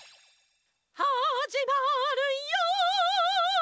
はじまるよ！